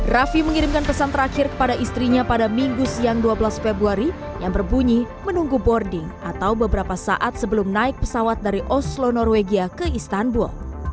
raffi mengirimkan pesan terakhir kepada istrinya pada minggu siang dua belas februari yang berbunyi menunggu boarding atau beberapa saat sebelum naik pesawat dari oslo norwegia ke istanbul